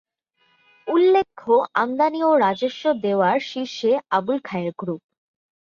উল্লেখ্য, আমদানি ও রাজস্ব দেওয়ার শীর্ষে আবুল খায়ের গ্রুপ।